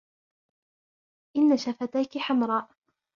ان شفتيك حمراء.